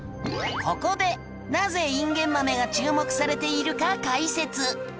ここでなぜインゲンマメが注目されているか解説。